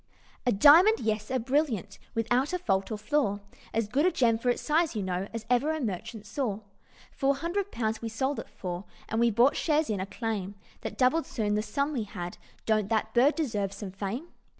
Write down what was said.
"A diamond? Yes! a brilliant, Without a fault or flaw, As good a gem, for its size, you know, As ever merchant saw. Four hundred pounds we sold it for, And we bought shares in a claim That doubled soon the sum we had: Don't that bird deserve some fame?